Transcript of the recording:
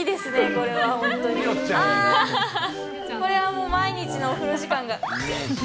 これはもう、毎日のお風呂時間が。